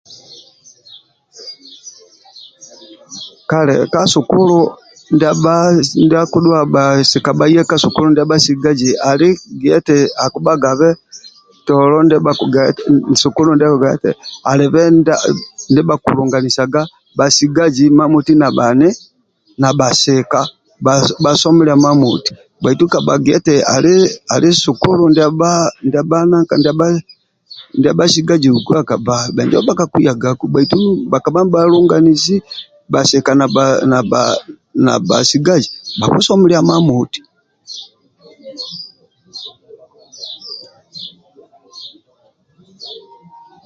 Kala ka sukulu ndia akidhua bhasika ndia akidhuwa bhasika bhaye ka sukulu ndia bhasigazi ali gia eti akibhagabe tolo ndia bhakigia eti alibe ndia bhakilunganisa bhasigazi na bhasika bhasomilia imamoti